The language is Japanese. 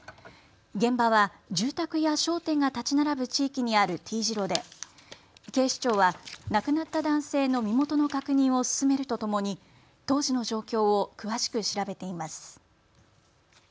現場は住宅や商店が建ち並ぶ地域にあるＴ字路で警視庁は亡くなった男性の身元の確認を進めるとともに当時の状況を詳しく調べています。